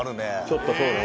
ちょっとそうね